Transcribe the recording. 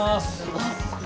あっ。